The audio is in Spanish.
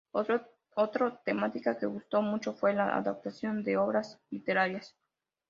Otro temática que gustó mucho fue la adaptación de obras literarias.